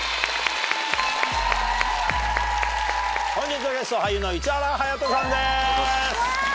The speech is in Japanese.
本日のゲスト俳優の市原隼人さんです！